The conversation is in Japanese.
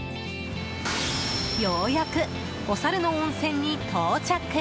ようやく、おサルの温泉に到着。